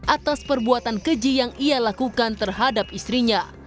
atas perbuatan keji yang ia lakukan terhadap istrinya